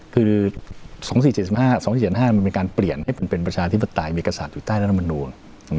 คือ๒๔๗๕มันเป็นการเปลี่ยนให้เป็นประชาทฤษฎายเวกษัตริย์อยู่ใต้รัฐมนุษย์